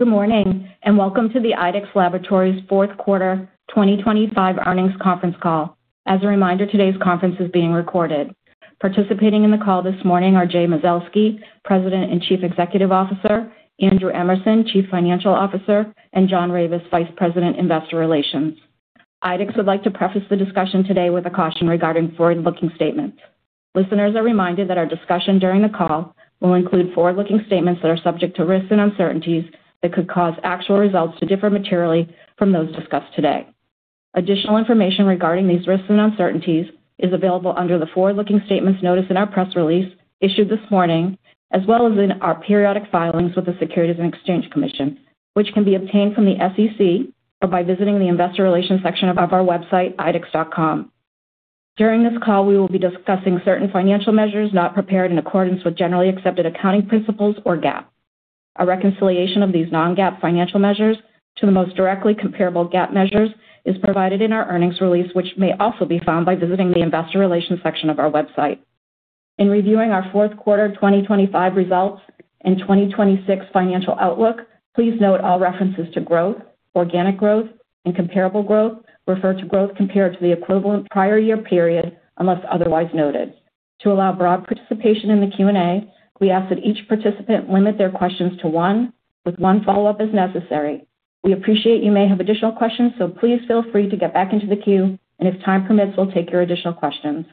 Good morning, and welcome to the IDEXX Laboratories' Fourth Quarter 2025 Earnings Conference call. As a reminder, today's conference is being recorded. Participating in the call this morning are Jay Mazelsky, President and Chief Executive Officer, Andrew Emerson, Chief Financial Officer, and John Ravis, Vice President, Investor Relations. IDEXX would like to preface the discussion today with a caution regarding forward-looking statements. Listeners are reminded that our discussion during the call will include forward-looking statements that are subject to risks and uncertainties that could cause actual results to differ materially from those discussed today. Additional information regarding these risks and uncertainties is available under the forward-looking statements notice in our press release issued this morning, as well as in our periodic filings with the Securities and Exchange Commission, which can be obtained from the SEC or by visiting the investor relations section of our website, idexx.com. During this call, we will be discussing certain financial measures not prepared in accordance with generally accepted accounting principles or GAAP. A reconciliation of these non-GAAP financial measures to the most directly comparable GAAP measures is provided in our earnings release, which may also be found by visiting the investor relations section of our website. In reviewing our fourth quarter 2025 results and 2026 financial outlook, please note all references to growth, organic growth, and comparable growth refer to growth compared to the equivalent prior year period, unless otherwise noted. To allow broad participation in the Q&A, we ask that each participant limit their questions to one, with one follow-up as necessary. We appreciate you may have additional questions, so please feel free to get back into the queue, and if time permits, we'll take your additional questions.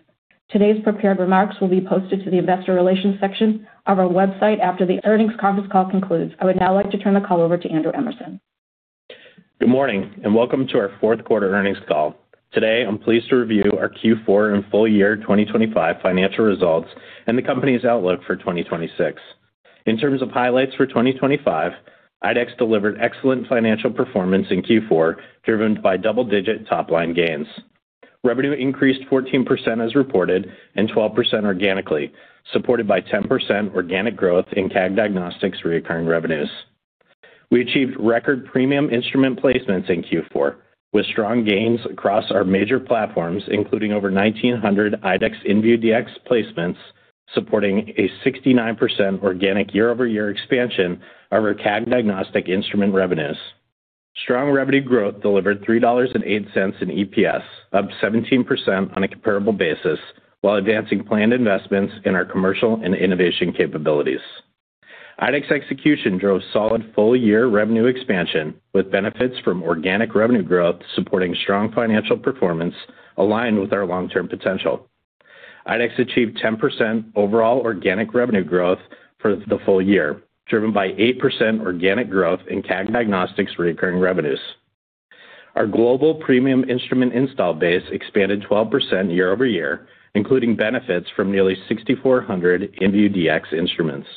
Today's prepared remarks will be posted to the investor relations section of our website after the earnings conference call concludes. I would now like to turn the call over to Andrew Emerson. Good morning, and welcome to our fourth quarter earnings call. Today, I'm pleased to review our Q4 and full-year 2025 financial results and the company's outlook for 2026. In terms of highlights for 2025, IDEXX delivered excellent financial performance in Q4, driven by double-digit top-line gains. Revenue increased 14% as reported and 12% organically, supported by 10% organic growth in CAG Diagnostics' recurring revenues. We achieved record premium instrument placements in Q4, with strong gains across our major platforms, including over 1,900 IDEXX inVue Dx placements, supporting a 69% organic year-over-year expansion of our CAG Diagnostics instrument revenues. Strong revenue growth delivered $3.08 in EPS, up 17% on a comparable basis, while advancing planned investments in our commercial and innovation capabilities. IDEXX execution drove solid full-year revenue expansion, with benefits from organic revenue growth supporting strong financial performance aligned with our long-term potential. IDEXX achieved 10% overall organic revenue growth for the full year, driven by 8% organic growth in CAG Diagnostics' recurring revenues. Our global premium instrument install base expanded 12% year-over-year, including benefits from nearly 6,400 inVue Dx instruments.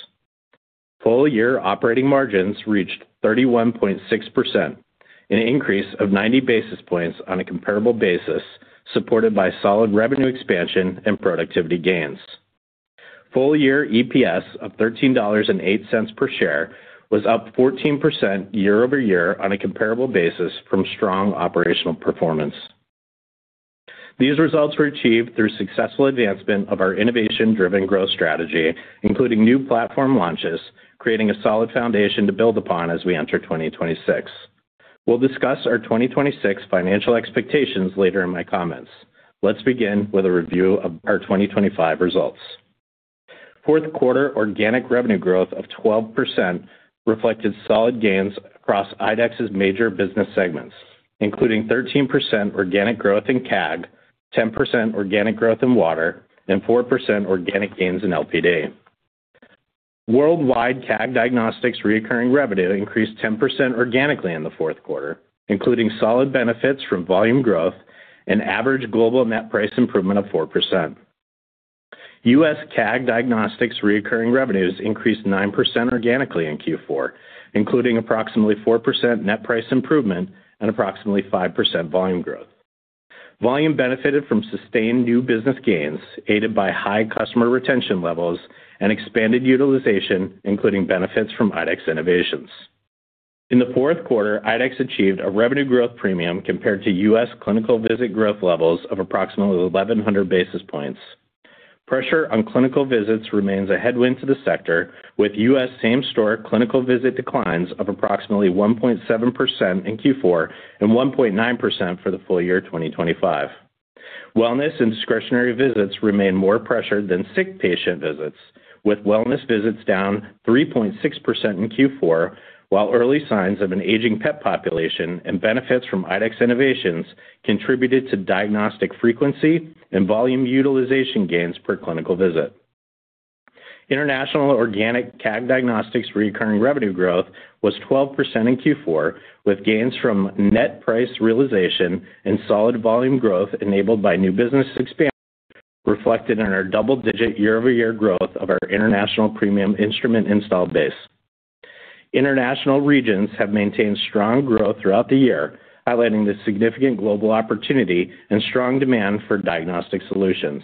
Full-year operating margins reached 31.6%, an increase of 90 basis points on a comparable basis, supported by solid revenue expansion and productivity gains. Full-year EPS of $13.08 per share was up 14% year-over-year on a comparable basis from strong operational performance. These results were achieved through successful advancement of our innovation-driven growth strategy, including new platform launches, creating a solid foundation to build upon as we enter 2026. We'll discuss our 2026 financial expectations later in my comments. Let's begin with a review of our 2025 results. Fourth quarter organic revenue growth of 12% reflected solid gains across IDEXX's major business segments, including 13% organic growth in CAG, 10% organic growth in water, and 4% organic gains in LPD. Worldwide, CAG Diagnostics' recurring revenue increased 10% organically in the fourth quarter, including solid benefits from volume growth and average global net price improvement of 4%. US CAG Diagnostics' recurring revenues increased 9% organically in Q4, including approximately 4% net price improvement and approximately 5% volume growth. Volume benefited from sustained new business gains, aided by high customer retention levels and expanded utilization, including benefits from IDEXX innovations. In the fourth quarter, IDEXX achieved a revenue growth premium compared to U.S. clinical visit growth levels of approximately 1,100 basis points. Pressure on clinical visits remains a headwind to the sector, with U.S. same-store clinical visit declines of approximately 1.7% in Q4 and 1.9% for the full year 2025. Wellness and discretionary visits remain more pressured than sick patient visits, with wellness visits down 3.6% in Q4, while early signs of an aging pet population and benefits from IDEXX innovations contributed to diagnostic frequency and volume utilization gains per clinical visit. International organic CAG Diagnostics recurring revenue growth was 12% in Q4, with gains from net price realization and solid volume growth enabled by new business expansion, reflected in our double-digit year-over-year growth of our international premium instrument install base. International regions have maintained strong growth throughout the year, highlighting the significant global opportunity and strong demand for diagnostic solutions.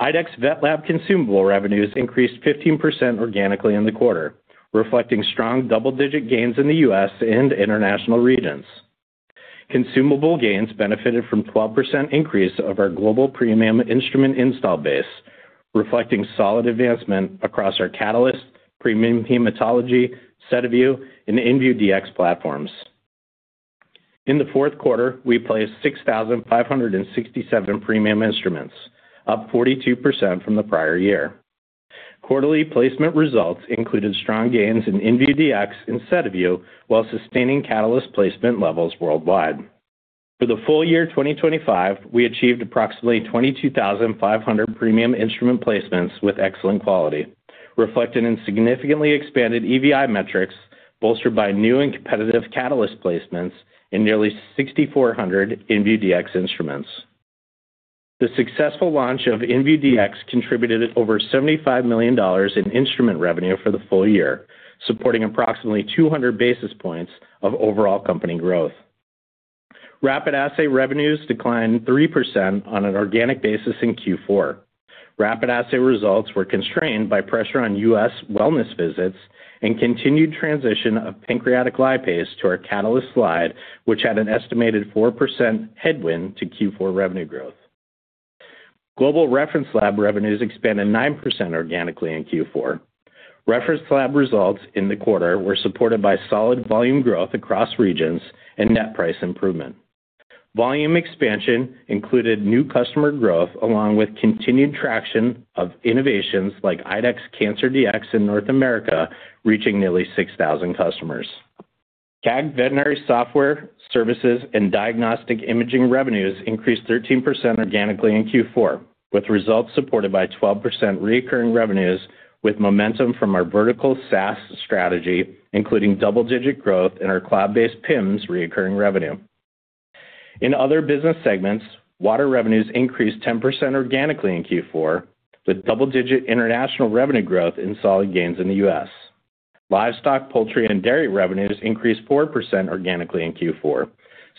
IDEXX VetLab consumable revenues increased 15% organically in the quarter, reflecting strong double-digit gains in the U.S. and international regions. Consumable gains benefited from 12% increase of our global premium instrument install base, reflecting solid advancement across our Catalyst, Premium Hematology, SediVue, and inVue Dx platforms. In the fourth quarter, we placed 6,567 premium instruments, up 42% from the prior year. Quarterly placement results included strong gains in inVue Dx and SediVue, while sustaining Catalyst placement levels worldwide. For the full year 2025, we achieved approximately 22,500 premium instrument placements with excellent quality, reflected in significantly expanded EVI metrics, bolstered by new and competitive Catalyst placements, and nearly 6,400 inVue Dx instruments. The successful launch of inVue Dx contributed over $75 million in instrument revenue for the full year, supporting approximately 200 basis points of overall company growth. Rapid Assay revenues declined 3% on an organic basis in Q4. Rapid Assay results were constrained by pressure on U.S. wellness visits and continued transition of pancreatic lipase to our Catalyst slide, which had an estimated 4% headwind to Q4 revenue growth. Global Reference Lab revenues expanded 9% organically in Q4. Reference Lab results in the quarter were supported by solid volume growth across regions and net price improvement. Volume expansion included new customer growth, along with continued traction of innovations like IDEXX Cancer Dx in North America, reaching nearly 6,000 customers. CAG Veterinary Software, Services, and Diagnostic Imaging revenues increased 13% organically in Q4, with results supported by 12% recurring revenues, with momentum from our vertical SaaS strategy, including double-digit growth in our cloud-based PIMS recurring revenue. In other business segments, water revenues increased 10% organically in Q4, with double-digit international revenue growth and solid gains in the US Livestock, Poultry, and Dairy revenues increased 4% organically in Q4,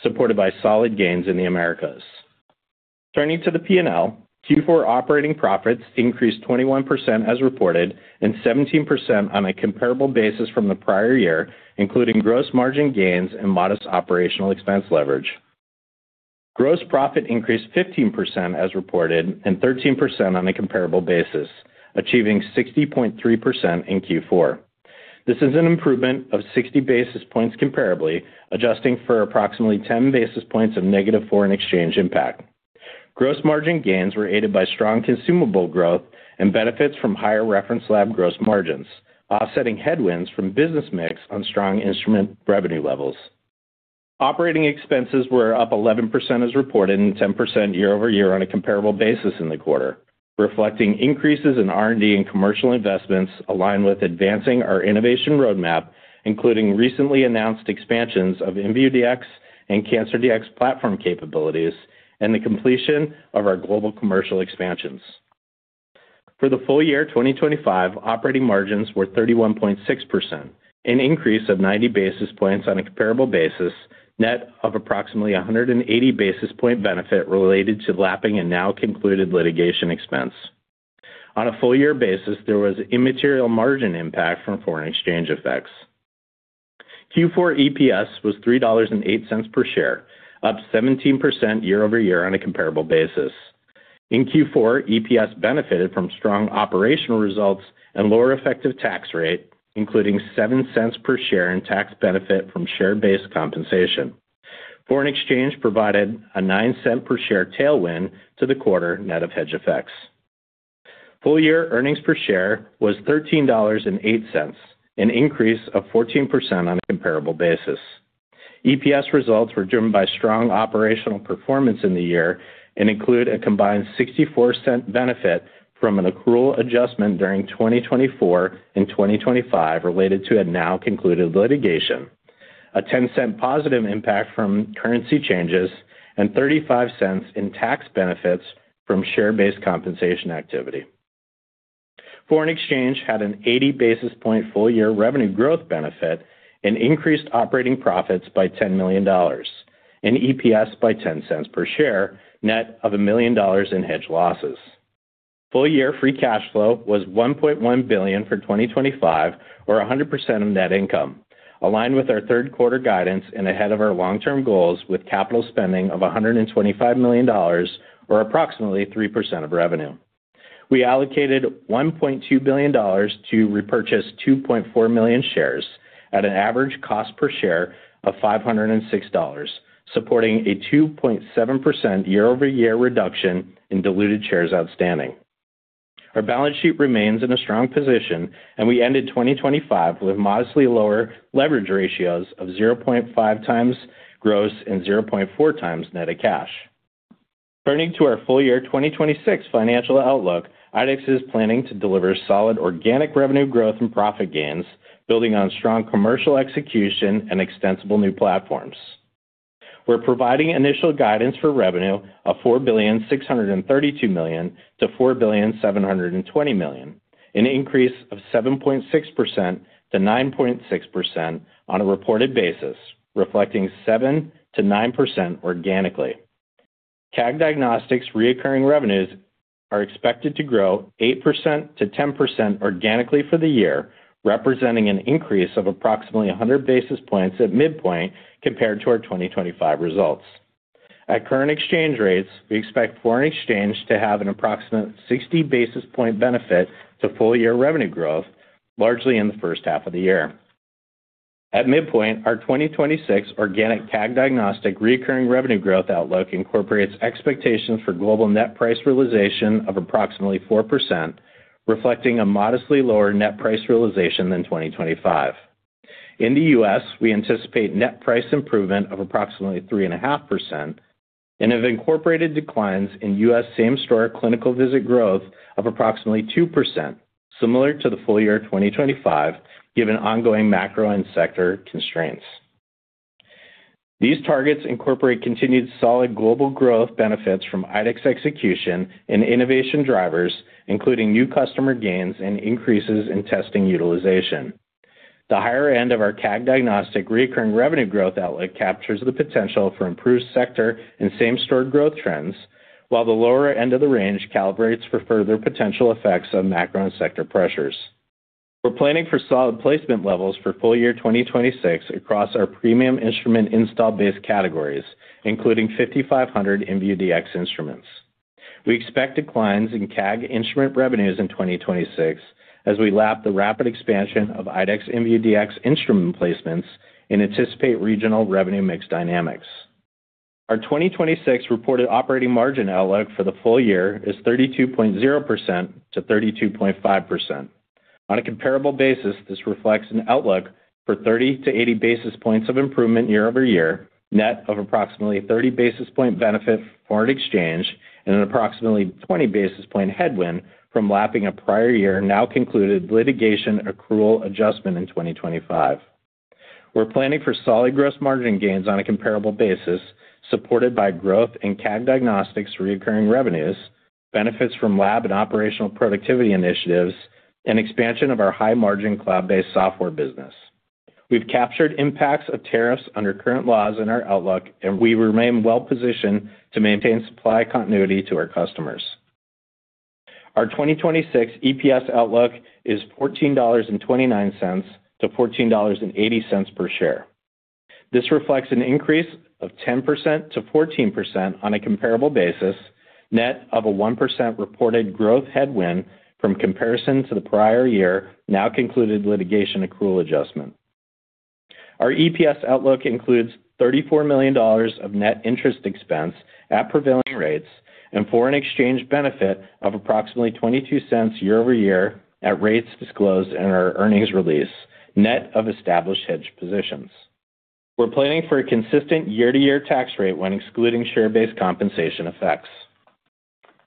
supported by solid gains in the Americas. Turning to the P&L, Q4 operating profits increased 21% as reported, and 17% on a comparable basis from the prior year, including gross margin gains and modest operational expense leverage. Gross profit increased 15% as reported, and 13% on a comparable basis, achieving 60.3% in Q4. This is an improvement of 60 basis points comparably, adjusting for approximately 10 basis points of negative foreign exchange impact. Gross margin gains were aided by strong consumable growth and benefits from higher reference lab gross margins, offsetting headwinds from business mix on strong instrument revenue levels. Operating expenses were up 11% as reported, and 10% year over year on a comparable basis in the quarter, reflecting increases in R&D and commercial investments aligned with advancing our innovation roadmap, including recently announced expansions of inVue Dx and Cancer Dx platform capabilities, and the completion of our global commercial expansions. For the full year 2025, operating margins were 31.6%, an increase of 90 basis points on a comparable basis, net of approximately a 180 basis point benefit related to lapping and now concluded litigation expense. On a full-year basis, there was immaterial margin impact from foreign exchange effects. Q4 EPS was $3.08 per share, up 17% year-over-year on a comparable basis. In Q4, EPS benefited from strong operational results and lower effective tax rate, including 7 cents per share in tax benefit from share-based compensation. Foreign exchange provided a 9-cent per-share tailwind to the quarter, net of hedge effects. Full-year earnings per share was $13.08, an increase of 14% on a comparable basis. EPS results were driven by strong operational performance in the year and include a combined 64-cent benefit from an accrual adjustment during 2024 and 2025, related to a now concluded litigation, a 10-cent positive impact from currency changes, and 35 cents in tax benefits from share-based compensation activity. Foreign exchange had an 80 basis points full-year revenue growth benefit and increased operating profits by $10 million, and EPS by $0.10 per share, net of $1 million in hedge losses. Full-year free cash flow was $1.1 billion for 2025, or 100% of net income, aligned with our third quarter guidance and ahead of our long-term goals with capital spending of $125 million, or approximately 3% of revenue. We allocated $1.2 billion to repurchase 2.4 million shares at an average cost per share of $506, supporting a 2.7% year-over-year reduction in diluted shares outstanding. Our balance sheet remains in a strong position, and we ended 2025 with modestly lower leverage ratios of 0.5 times gross and 0.4 times net of cash. Turning to our full-year 2026 financial outlook, IDEXX is planning to deliver solid organic revenue growth and profit gains, building on strong commercial execution and extensible new platforms. We're providing initial guidance for revenue of $4.632 billion-$4.72 billion, an increase of 7.6%-9.6% on a reported basis, reflecting 7%-9% organically. CAG Diagnostics recurring revenues are expected to grow 8%-10% organically for the year, representing an increase of approximately 100 basis points at midpoint compared to our 2025 results. At current exchange rates, we expect foreign exchange to have an approximate 60 basis points benefit to full-year revenue growth, largely in the first half of the year. At midpoint, our 2026 organic CAG Diagnostics recurring revenue growth outlook incorporates expectations for global net price realization of approximately 4%, reflecting a modestly lower net price realization than 2025. In the U.S., we anticipate net price improvement of approximately 3.5% and have incorporated declines in U.S. same-store clinical visit growth of approximately 2%, similar to the full-year 2025, given ongoing macro and sector constraints. These targets incorporate continued solid global growth benefits from IDEXX execution and innovation drivers, including new customer gains and increases in testing utilization. The higher end of our CAG Diagnostics recurring revenue growth outlook captures the potential for improved sector and same-store growth trends, while the lower end of the range calibrates for further potential effects on macro and sector pressures. We're planning for solid placement levels for full year 2026 across our premium instrument install base categories, including 5,500 inVue Dx instruments. We expect declines in CAG instrument revenues in 2026 as we lap the rapid expansion of IDEXX inVue Dx instrument placements and anticipate regional revenue mix dynamics. Our 2026 reported operating margin outlook for the full year is 32.0%-32.5%. On a comparable basis, this reflects an outlook for 30-80 basis points of improvement year-over-year, net of approximately 30 basis point benefit foreign exchange, and an approximately 20 basis point headwind from lapping a prior year, now concluded litigation accrual adjustment in 2025. We're planning for solid gross margin gains on a comparable basis, supported by growth in CAG Diagnostics, recurring revenues, benefits from lab and operational productivity initiatives, and expansion of our high-margin cloud-based software business. We've captured impacts of tariffs under current laws in our outlook, and we remain well positioned to maintain supply continuity to our customers. Our 2026 EPS outlook is $14.29-$14.80 per share. This reflects an increase of 10%-14% on a comparable basis, net of a 1% reported growth headwind from comparison to the prior year, now concluded litigation accrual adjustment. Our EPS outlook includes $34 million of net interest expense at prevailing rates, and foreign exchange benefit of approximately $0.22 year over year at rates disclosed in our earnings release, net of established hedge positions. We're planning for a consistent year-to-year tax rate when excluding share-based compensation effects.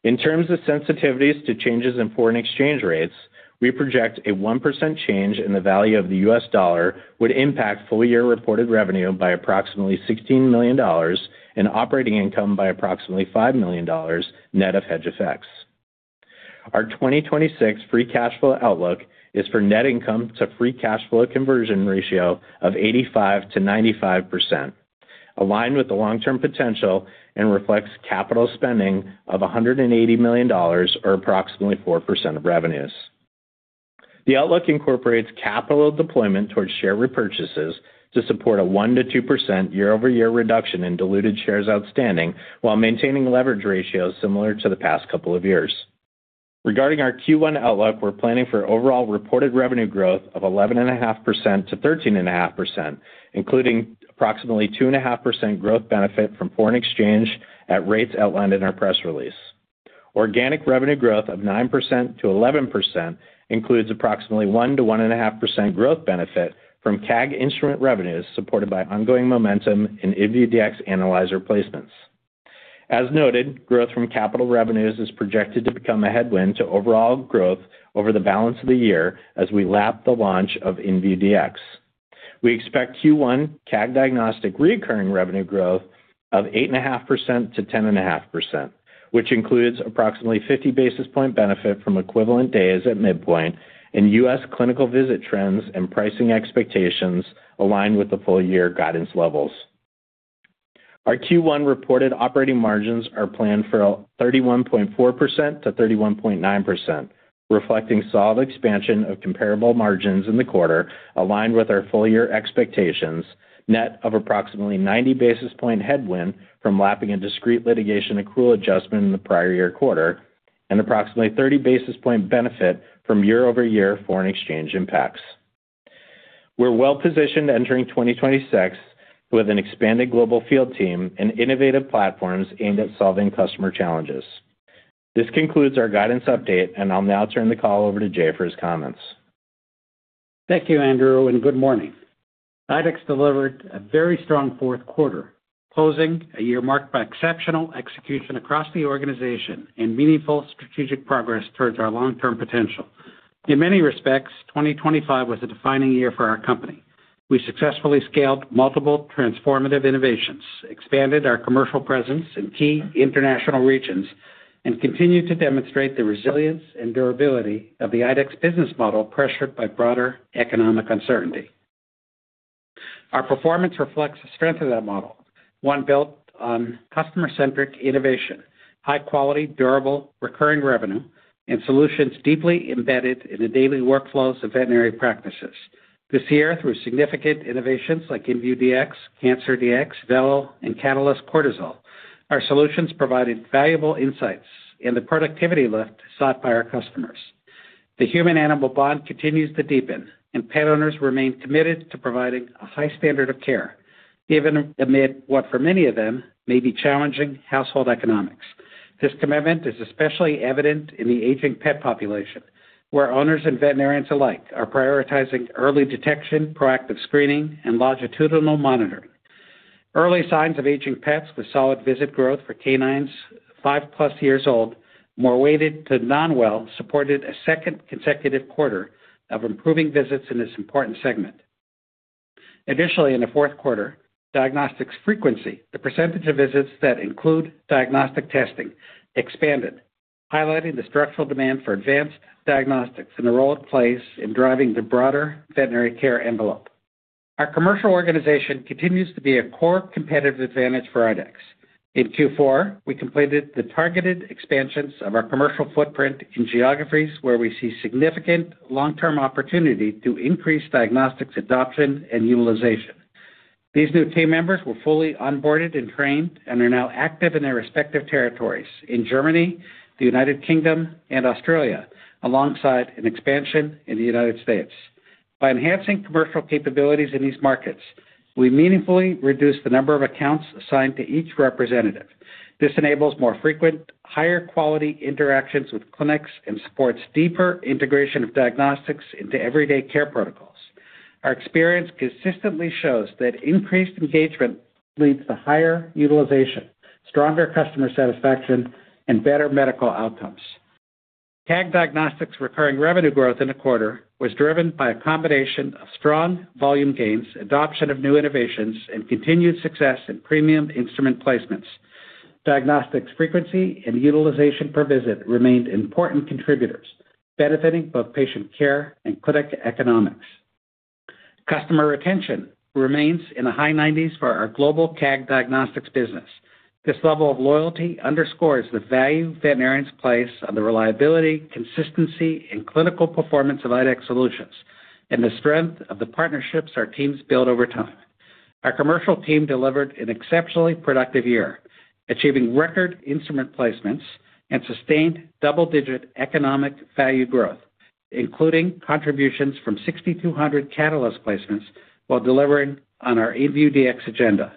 In terms of sensitivities to changes in foreign exchange rates, we project a 1% change in the value of the US dollar would impact full-year reported revenue by approximately $16 million and operating income by approximately $5 million, net of hedge effects. Our 2026 free cash flow outlook is for net income to free cash flow conversion ratio of 85%-95%, aligned with the long-term potential and reflects capital spending of $180 million, or approximately 4% of revenues. The outlook incorporates capital deployment towards share repurchases to support a 1%-2% year-over-year reduction in diluted shares outstanding, while maintaining leverage ratios similar to the past couple of years. Regarding our Q1 outlook, we're planning for overall reported revenue growth of 11.5%-13.5%, including approximately 2.5% growth benefit from foreign exchange at rates outlined in our press release. Organic revenue growth of 9%-11% includes approximately 1%-1.5% growth benefit from CAG instrument revenues, supported by ongoing momentum in inVue Dx analyzer placements. As noted, growth from capital revenues is projected to become a headwind to overall growth over the balance of the year as we lap the launch of inVue Dx. We expect Q1 CAG diagnostic recurring revenue growth of 8.5%-10.5%, which includes approximately 50 basis points benefit from equivalent days at midpoint and U.S. clinical visit trends and pricing expectations aligned with the full year guidance levels. Our Q1 reported operating margins are planned for 31.4%-31.9%, reflecting solid expansion of comparable margins in the quarter, aligned with our full-year expectations, net of approximately 90 basis points headwind from lapping a discrete litigation accrual adjustment in the prior year quarter and approximately 30 basis points benefit from year-over-year foreign exchange impacts. We're well positioned entering 2026 with an expanded global field team and innovative platforms aimed at solving customer challenges. This concludes our guidance update, and I'll now turn the call over to Jay for his comments. Thank you, Andrew, and good morning. IDEXX delivered a very strong fourth quarter, closing a year marked by exceptional execution across the organization and meaningful strategic progress towards our long-term potential. In many respects, 2025 was a defining year for our company. We successfully scaled multiple transformative innovations, expanded our commercial presence in key international regions, and continued to demonstrate the resilience and durability of the IDEXX business model, pressured by broader economic uncertainty. Our performance reflects the strength of that model, one built on customer-centric innovation, high quality, durable, recurring revenue, and solutions deeply embedded in the daily workflows of veterinary practices. This year, through significant innovations like inVue Dx, Cancer Dx, Vello, and Catalyst Cortisol, our solutions provided valuable insights and the productivity lift sought by our customers. The human-animal bond continues to deepen, and pet owners remain committed to providing a high standard of care, even amid what, for many of them, may be challenging household economics. This commitment is especially evident in the aging pet population, where owners and veterinarians alike are prioritizing early detection, proactive screening, and longitudinal monitoring. Early signs of aging pets with solid visit growth for canines 5-plus years old, more weighted to non-well, supported a second consecutive quarter of improving visits in this important segment. Initially, in the fourth quarter, diagnostics frequency, the percentage of visits that include diagnostic testing, expanded, highlighting the structural demand for advanced diagnostics and the role it plays in driving the broader veterinary care envelope. Our commercial organization continues to be a core competitive advantage for IDEXX. In Q4, we completed the targeted expansions of our commercial footprint in geographies where we see significant long-term opportunity to increase diagnostics adoption and utilization. These new team members were fully onboarded and trained and are now active in their respective territories in Germany, the United Kingdom, and Australia, alongside an expansion in the United States. By enhancing commercial capabilities in these markets, we meaningfully reduce the number of accounts assigned to each representative. This enables more frequent, higher quality interactions with clinics and supports deeper integration of diagnostics into everyday care protocols. Our experience consistently shows that increased engagement leads to higher utilization, stronger customer satisfaction, and better medical outcomes. CAG Diagnostics' recurring revenue growth in the quarter was driven by a combination of strong volume gains, adoption of new innovations, and continued success in premium instrument placements. Diagnostics frequency and utilization per visit remained important contributors, benefiting both patient care and clinic economics. Customer retention remains in the high 90s for our global CAG Diagnostics business. This level of loyalty underscores the value veterinarians place on the reliability, consistency, and clinical performance of IDEXX solutions and the strength of the partnerships our teams build over time. Our commercial team delivered an exceptionally productive year, achieving record instrument placements and sustained double-digit economic value growth, including contributions from 6,200 Catalyst placements, while delivering on our inVue Dx agenda.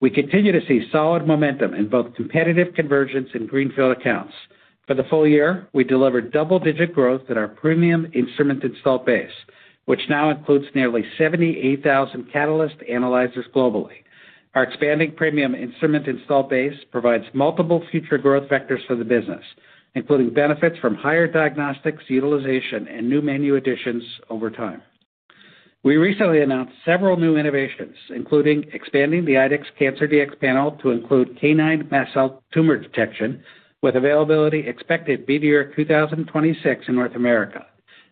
We continue to see solid momentum in both competitive convergence and greenfield accounts. For the full year, we delivered double-digit growth in our premium instrument install base, which now includes nearly 78,000 Catalyst analyzers globally. Our expanding premium instrument install base provides multiple future growth vectors for the business, including benefits from higher diagnostics utilization and new menu additions over time. We recently announced several new innovations, including expanding the IDEXX Cancer Dx panel to include canine mast cell tumor detection, with availability expected mid-year 2026 in North America.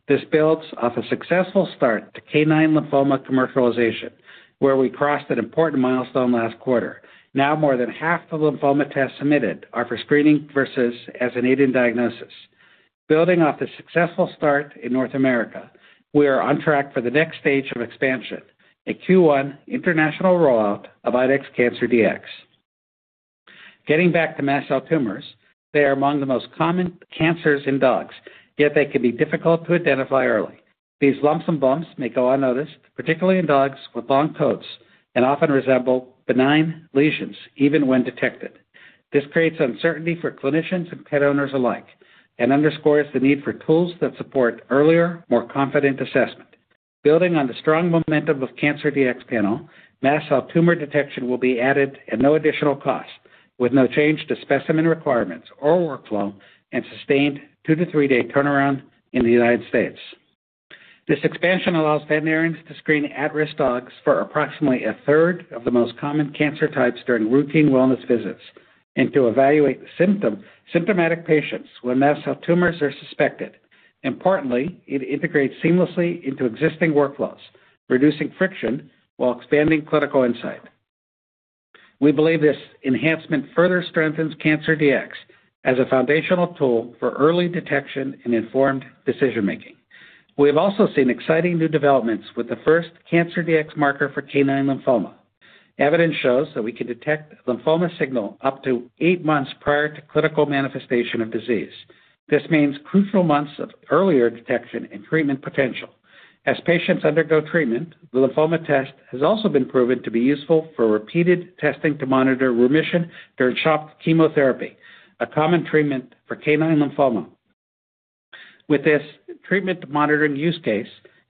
This builds off a successful start to canine lymphoma commercialization, where we crossed an important milestone last quarter. Now, more than half the lymphoma tests submitted are for screening versus as an aid in diagnosis. Building off the successful start in North America, we are on track for the next stage of expansion, a Q1 international rollout of IDEXX Cancer Dx. Getting back to mast cell tumors, they are among the most common cancers in dogs, yet they can be difficult to identify early. These lumps and bumps may go unnoticed, particularly in dogs with long coats, and often resemble benign lesions even when detected. This creates uncertainty for clinicians and pet owners alike and underscores the need for tools that support earlier, more confident assessment. Building on the strong momentum of Cancer Dx panel, mast cell tumor detection will be added at no additional cost, with no change to specimen requirements or workflow and sustained two-three day turnaround in the United States. This expansion allows veterinarians to screen at-risk dogs for approximately a third of the most common cancer types during routine wellness visits and to evaluate the symptomatic patients when mast cell tumors are suspected. Importantly, it integrates seamlessly into existing workflows, reducing friction while expanding clinical insight. We believe this enhancement further strengthens Cancer Dx as a foundational tool for early detection and informed decision-making. We have also seen exciting new developments with the first Cancer Dx marker for canine lymphoma. Evidence shows that we can detect lymphoma signal up to eight months prior to clinical manifestation of disease. This means crucial months of earlier detection and treatment potential. As patients undergo treatment, the lymphoma test has also been proven to be useful for repeated testing to monitor remission during CHOP chemotherapy, a common treatment for canine lymphoma. With this treatment monitoring use case,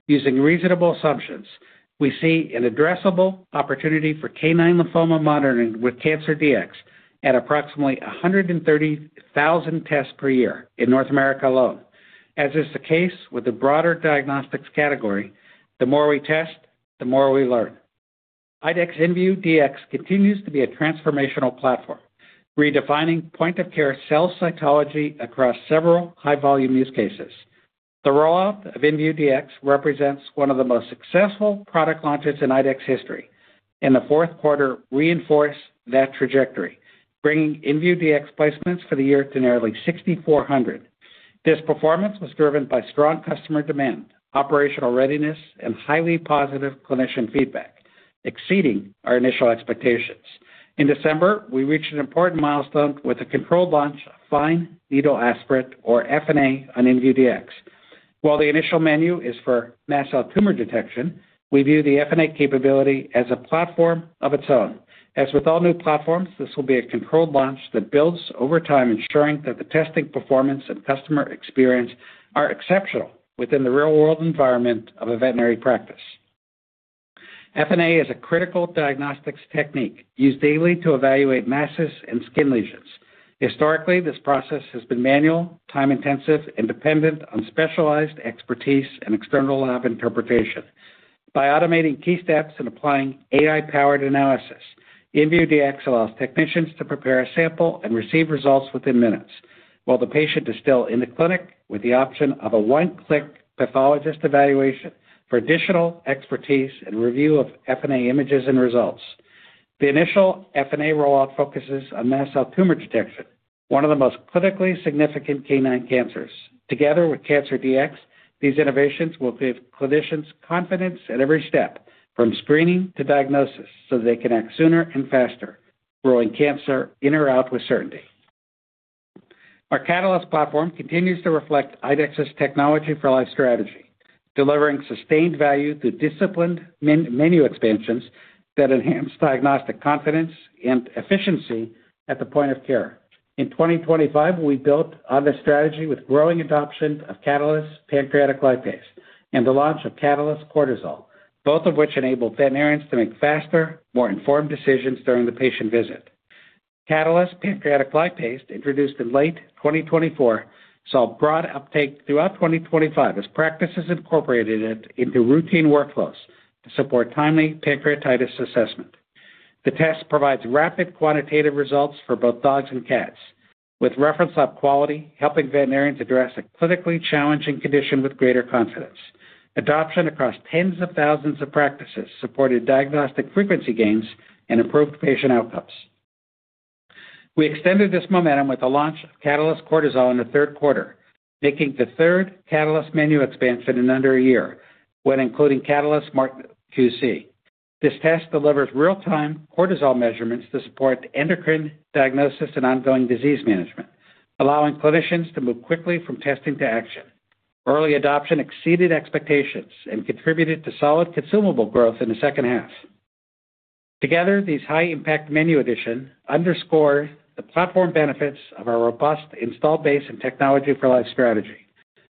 using reasonable assumptions, we see an addressable opportunity for canine lymphoma monitoring with Cancer Dx at approximately 130,000 tests per year in North America alone. As is the case with the broader diagnostics category, the more we test, the more we learn. IDEXX inVue Dx continues to be a transformational platform, redefining point-of-care cell cytology across several high-volume use cases. The rollout of inVue Dx represents one of the most successful product launches in IDEXX history, and the fourth quarter reinforced that trajectory, bringing inVue Dx placements for the year to nearly 6,400. This performance was driven by strong customer demand, operational readiness, and highly positive clinician feedback, exceeding our initial expectations. In December, we reached an important milestone with a controlled launch of fine needle aspirate, or FNA, on inVue Dx. While the initial menu is for mast cell tumor detection, we view the FNA capability as a platform of its own. As with all new platforms, this will be a controlled launch that builds over time, ensuring that the testing performance and customer experience are exceptional within the real-world environment of a veterinary practice. FNA is a critical diagnostic technique used daily to evaluate masses and skin lesions. Historically, this process has been manual, time-intensive, and dependent on specialized expertise and external lab interpretation. By automating key steps and applying AI-powered analysis, inVue Dx allows technicians to prepare a sample and receive results within minutes while the patient is still in the clinic, with the option of a one-click pathologist evaluation for additional expertise and review of FNA images and results. The initial FNA rollout focuses on mast cell tumor detection, one of the most clinically significant canine cancers. Together with Cancer Dx, these innovations will give clinicians confidence at every step, from screening to diagnosis, so they can act sooner and faster, ruling cancer in or out with certainty. Our Catalyst platform continues to reflect IDEXX's technology for life strategy, delivering sustained value through disciplined menu expansions that enhance diagnostic confidence and efficiency at the point of care. In 2025, we built on this strategy with growing adoption of Catalyst Pancreatic Lipase and the launch of Catalyst Cortisol, both of which enable veterinarians to make faster, more informed decisions during the patient visit. Catalyst Pancreatic Lipase, introduced in late 2024, saw broad uptake throughout 2025 as practices incorporated it into routine workflows to support timely pancreatitis assessment. The test provides rapid quantitative results for both dogs and cats, with reference lab quality, helping veterinarians address a clinically challenging condition with greater confidence. Adoption across tens of thousands of practices supported diagnostic frequency gains and improved patient outcomes. We extended this momentum with the launch of Catalyst Cortisol in the third quarter, making the third Catalyst menu expansion in under a year when including Catalyst SmartQC. This test delivers real-time cortisol measurements to support endocrine diagnosis and ongoing disease management, allowing clinicians to move quickly from testing to action. Early adoption exceeded expectations and contributed to solid consumable growth in the second half. Together, these high-impact menu additions underscore the platform benefits of our robust installed base and Technology for Life strategy.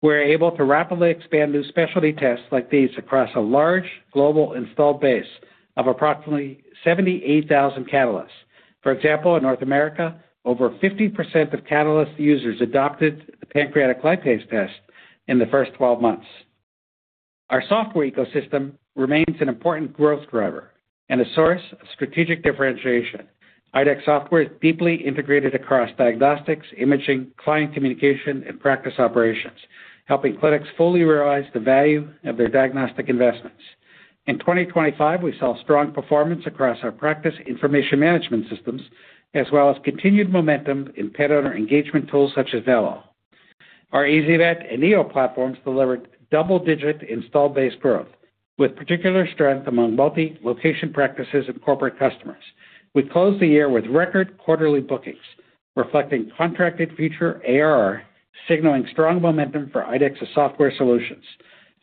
We're able to rapidly expand new specialty tests like these across a large global installed base of approximately 78,000 Catalysts. For example, in North America, over 50% of Catalyst users adopted the pancreatic lipase test in the first 12 months. Our software ecosystem remains an important growth driver and a source of strategic differentiation. IDEXX software is deeply integrated across diagnostics, imaging, client communication, and practice operations, helping clinics fully realize the value of their diagnostic investments. In 2025, we saw strong performance across our practice information management systems, as well as continued momentum in pet owner engagement tools such as Vello. Our ezyVet and Neo platforms delivered double-digit installed base growth, with particular strength among multi-location practices and corporate customers. We closed the year with record quarterly bookings, reflecting contracted future ARR, signaling strong momentum for IDEXX's software solutions.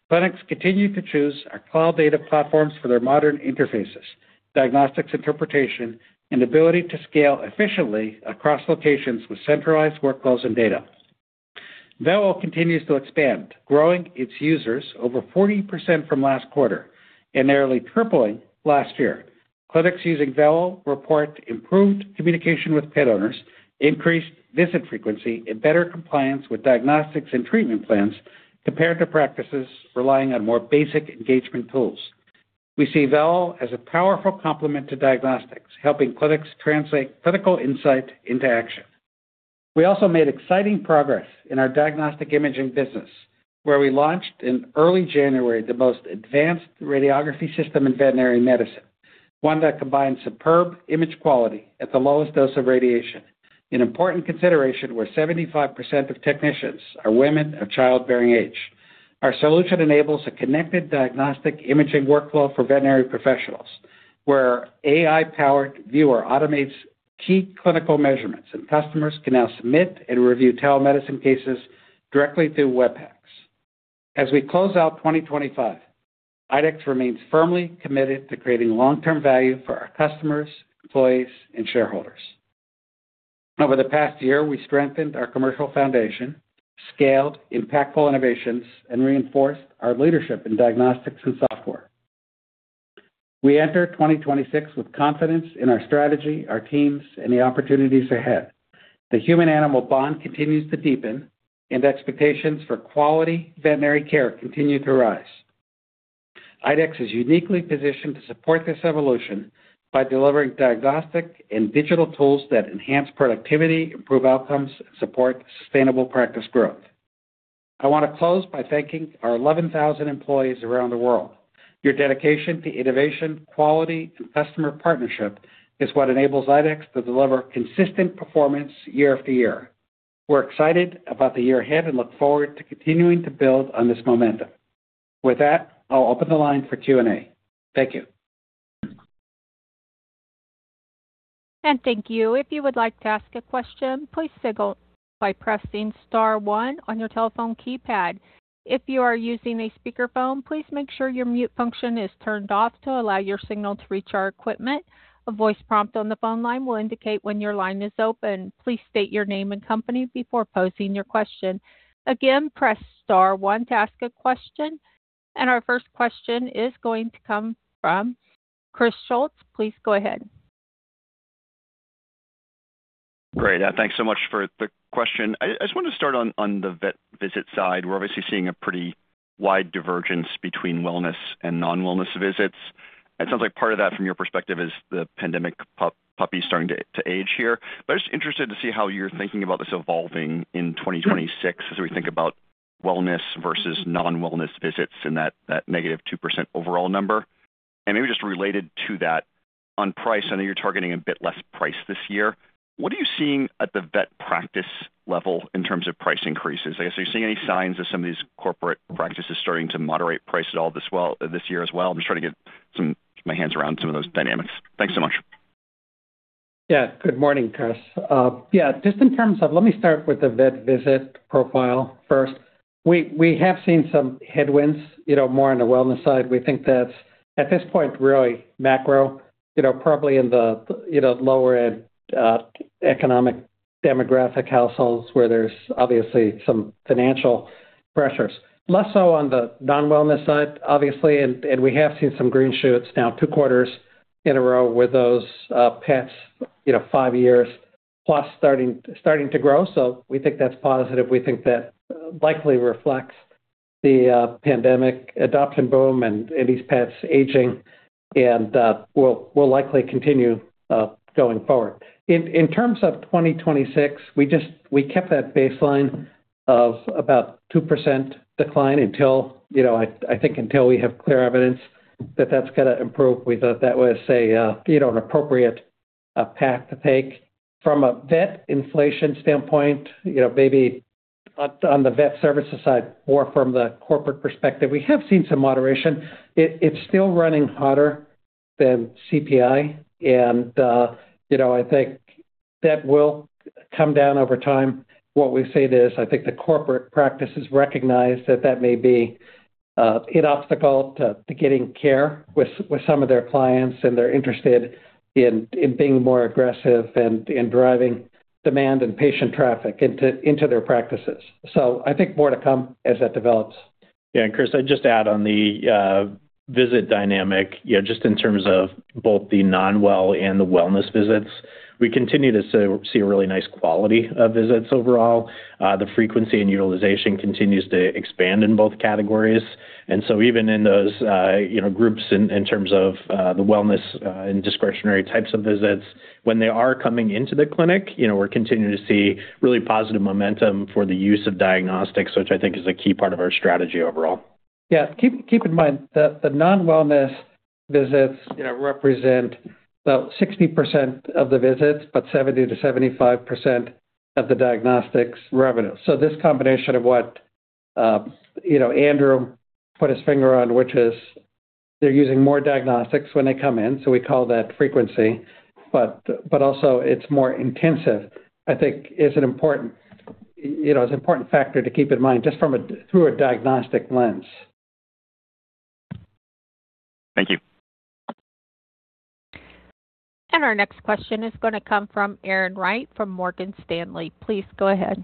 Clinics continue to choose our cloud data platforms for their modern interfaces, diagnostics interpretation, and ability to scale efficiently across locations with centralized workflows and data. Vello continues to expand, growing its users over 40% from last quarter and nearly tripling last year. Clinics using Vello report improved communication with pet owners, increased visit frequency, and better compliance with diagnostics and treatment plans compared to practices relying on more basic engagement tools. We see Vello as a powerful complement to diagnostics, helping clinics translate clinical insight into action. We also made exciting progress in our diagnostic imaging business, where we launched in early January the most advanced radiography system in veterinary medicine, one that combines superb image quality at the lowest dose of radiation, an important consideration where 75% of technicians are women of childbearing age. Our solution enables a connected diagnostic imaging workflow for veterinary professionals, where AI-powered viewer automates key clinical measurements, and customers can now submit and review telemedicine cases directly through Web PACS. As we close out 2025, IDEXX remains firmly committed to creating long-term value for our customers, employees, and shareholders. Over the past year, we've strengthened our commercial foundation, scaled impactful innovations, and reinforced our leadership in diagnostics and software. We enter 2026 with confidence in our strategy, our teams, and the opportunities ahead. The human-animal bond continues to deepen, and expectations for quality veterinary care continue to rise. IDEXX is uniquely positioned to support this evolution by delivering diagnostic and digital tools that enhance productivity, improve outcomes, and support sustainable practice growth. I want to close by thanking our 11,000 employees around the world. Your dedication to innovation, quality, and customer partnership is what enables IDEXX to deliver consistent performance year after year. We're excited about the year ahead and look forward to continuing to build on this momentum. With that, I'll open the line for Q&A. Thank you. Thank you. If you would like to ask a question, please signal by pressing star one on your telephone keypad. If you are using a speakerphone, please make sure your mute function is turned off to allow your signal to reach our equipment. A voice prompt on the phone line will indicate when your line is open. Please state your name and company before posing your question. Again, press star one to ask a question. Our first question is going to come from Chris Schott. Please go ahead. Great. Thanks so much for the question. I just wanted to start on the vet visit side. We're obviously seeing a pretty wide divergence between wellness and non-wellness visits, and it sounds like part of that, from your perspective, is the pandemic puppies starting to age here. But I'm just interested to see how you're thinking about this evolving in 2026 as we think about wellness versus non-wellness visits and that negative 2% overall number. And maybe just related to that, on price, I know you're targeting a bit less price this year. What are you seeing at the vet practice level in terms of price increases? I guess, are you seeing any signs of some of these corporate practices starting to moderate price at all this year as well? I'm just trying to get my hands around some of those dynamics. Thanks so much. Yeah. Good morning, Chris. Yeah, just in terms of, let me start with the vet visit profile first. We have seen some headwinds, you know, more on the wellness side. We think that's, at this point, really macro, you know, probably in the, you know, lower end, economic demographic households, where there's obviously some financial pressures. Less so on the non-wellness side, obviously, and we have seen some green shoots now two quarters in a row with those, pets, you know, five years plus starting to grow. So we think that's positive. We think that likely reflects the pandemic adoption boom and these pets aging, and will likely continue going forward. In terms of 2026, we just, we kept that baseline of about 2% decline until, you know, I think until we have clear evidence that that's going to improve. We thought that was a, you know, an appropriate path to take. From a vet inflation standpoint, you know, maybe on the vet services side or from the corporate perspective, we have seen some moderation. It's still running hotter than CPI, and, you know, I think that will come down over time. What we say is, I think the corporate practices recognize that that may be an obstacle to getting care with some of their clients, and they're interested in being more aggressive and driving demand and patient traffic into their practices. So I think more to come as that develops. Yeah, and Chris, I'd just add on the visit dynamic, you know, just in terms of both the non-well and the wellness visits, we continue to see a really nice quality of visits overall. The frequency and utilization continues to expand in both categories. And so even in those, you know, groups in terms of the wellness and discretionary types of visits, when they are coming into the clinic, you know, we're continuing to see really positive momentum for the use of diagnostics, which I think is a key part of our strategy overall. Yeah. Keep in mind that the non-wellness visits, you know, represent about 60% of the visits, but 70%-75% of the diagnostics revenue. So this combination of what, you know, Andrew put his finger on, which is they're using more diagnostics when they come in, so we call that frequency, but also it's more intensive, I think is an important, you know, is an important factor to keep in mind, just from a through a diagnostic lens. Thank you. Our next question is going to come from Erin Wright from Morgan Stanley. Please go ahead.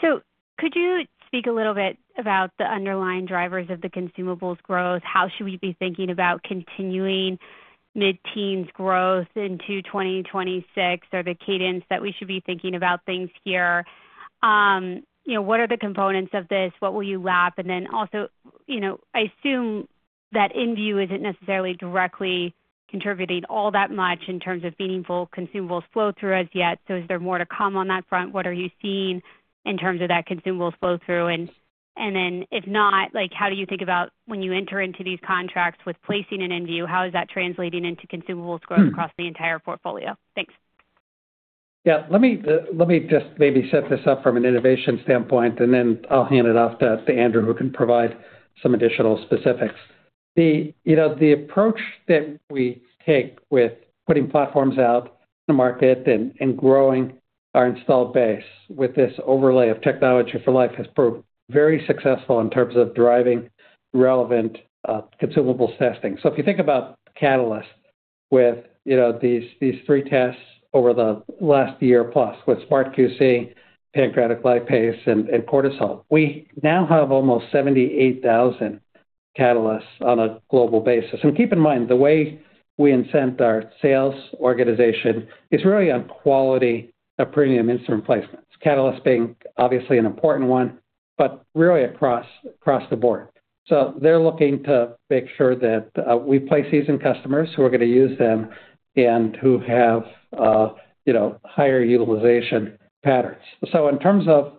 So, could you speak a little bit about the underlying drivers of the consumables growth? How should we be thinking about continuing mid-teens growth into 2026, or the cadence that we should be thinking about things here? You know, what are the components of this? What will you lap? And then also, you know, I assume that inVue isn't necessarily directly contributing all that much in terms of meaningful consumables flow-through as yet, so is there more to come on that front? What are you seeing in terms of that consumables flow-through? And, and then if not, like, how do you think about when you enter into these contracts with placing an inVue, how is that translating into consumables growth across the entire portfolio? Thanks. Yeah. Let me, let me just maybe set this up from an innovation standpoint, and then I'll hand it off to Andrew, who can provide some additional specifics. The, you know, the approach that we take with putting platforms out in the market and growing our installed base with this overlay of technology for life has proved very successful in terms of driving relevant consumables testing. So if you think about Catalyst with, you know, these three tests over the last year, plus with SmartQC, Pancreatic Lipase and Cortisol, we now have almost 78,000 Catalyst on a global basis. And keep in mind, the way we incent our sales organization is really on quality of premium instrument placements, Catalyst being obviously an important one, but really across the board. So they're looking to make sure that we place these in customers who are going to use them and who have, you know, higher utilization patterns. So in terms of,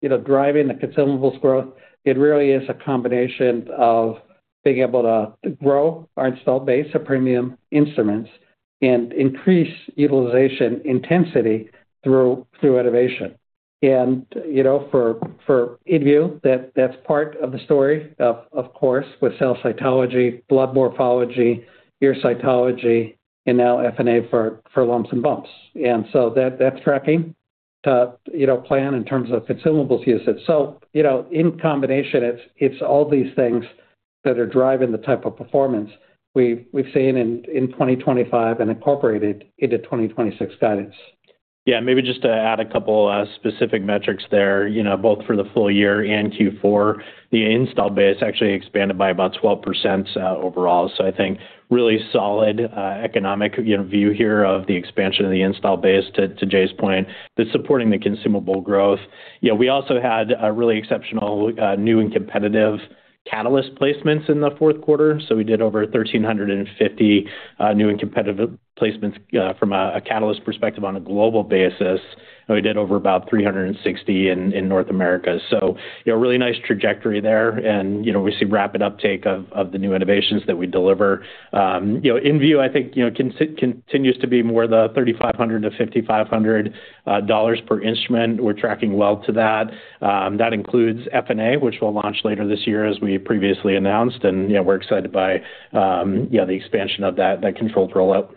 you know, driving the consumables growth, it really is a combination of being able to grow our installed base of premium instruments and increase utilization intensity through innovation. And, you know, for inVue, that's part of the story, of course, with cell cytology, blood morphology, ear cytology, and now FNA for lumps and bumps. And so that's tracking to, you know, plan in terms of consumables usage. So, you know, in combination, it's all these things that are driving the type of performance we've seen in 2025 and incorporated into 2026 guidance. Yeah, maybe just to add a couple specific metrics there, you know, both for the full year and Q4, the install base actually expanded by about 12%, overall. So I think really solid economic, you know, view here of the expansion of the install base, to Jay's point, that's supporting the consumable growth. You know, we also had a really exceptional new and competitive Catalyst placements in the fourth quarter. So we did over 1,350 new and competitive placements from a Catalyst perspective on a global basis, and we did over about 360 in North America. So, you know, really nice trajectory there, and, you know, we see rapid uptake of the new innovations that we deliver. You know, inVue, I think, you know, continues to be more the $3,500-$5,500 per instrument. We're tracking well to that. That includes FNA, which we'll launch later this year, as we previously announced, and, you know, we're excited by, you know, the expansion of that, that controlled rollout.